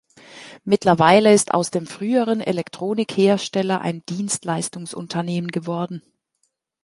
Mittlerweile ist aus dem früheren Elektronikhersteller ein Dienstleistungsunternehmen geworden.